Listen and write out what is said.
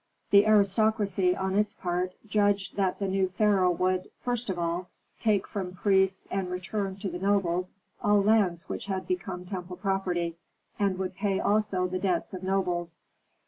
The aristocracy, on its part, judged that the new pharaoh would, first of all, take from priests and return to nobles all lands which had become temple property, and would pay also the debts of nobles.